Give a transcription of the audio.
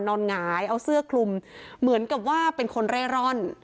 หงายเอาเสื้อคลุมเหมือนกับว่าเป็นคนเร่ร่อน